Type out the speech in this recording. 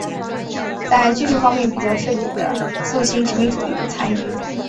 在军事方面比较彻底地肃清殖民主义的残余。